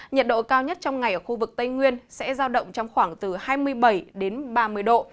nhiệt độ cao nhất trong ngày ở khu vực tây nguyên sẽ giao động trong khoảng từ hai mươi bảy đến ba mươi độ